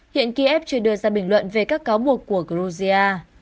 hiện kiev chưa đưa ra bình luận về các cáo buộc của georgia